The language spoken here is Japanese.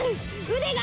腕が！